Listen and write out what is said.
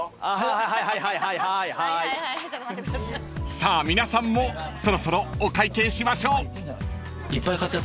［さあ皆さんもそろそろお会計しましょう］